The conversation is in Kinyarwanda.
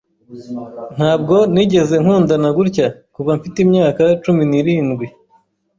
Ntabwo nigeze nkundana gutya kuva mfite imyaka cumi n'irindwi.